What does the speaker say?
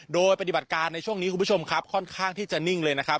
โดยปฏิบัติการในช่วงนี้คุณผู้ชมครับค่อนข้างที่จะนิ่งเลยนะครับ